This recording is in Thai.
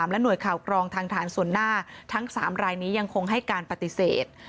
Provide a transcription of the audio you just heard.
และหน่วยข่าวกรองทางฐานส่วนหน้าทั้ง๓รายนี้ยังคงให้การปฏิเสธ